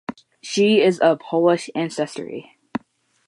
She is of Polish ancestry.